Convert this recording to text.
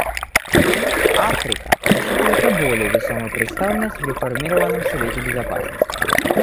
Африка рассчитывает на более весомую представленность в реформированном Совете Безопасности.